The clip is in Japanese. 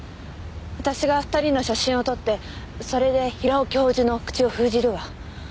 私が２人の写真を撮ってそれで平尾教授の口を封じるわ。